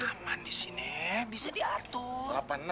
aman disini bisa diatur